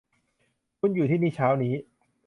คุณอยู่ที่นี่เช้านี้